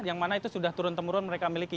yang mana itu sudah turun temurun mereka miliki